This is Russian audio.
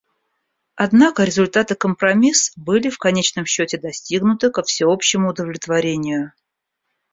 Однако результат и компромисс были в конечном счете достигнуты ко всеобщему удовлетворению.